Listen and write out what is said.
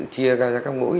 chia ra các mũi